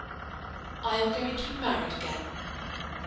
I am going to be married again.